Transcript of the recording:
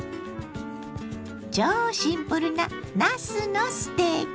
超シンプルななすのステーキ。